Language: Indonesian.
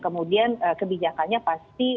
kemudian kebijakannya pasti